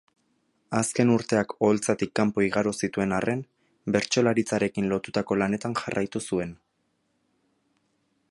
Azken urteak oholtzatik kanpo igaro zituen arren, bertsolaritzarekin lotutako lanetan jarraitu zuen.